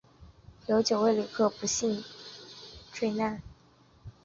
有九位旅客不幸罹难